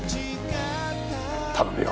頼むよ。